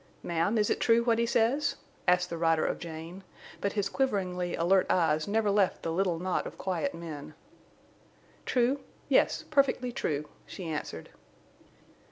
"Ma'am, is it true—what he says?" asked the rider of Jane, but his quiveringly alert eyes never left the little knot of quiet men. "True? Yes, perfectly true," she answered.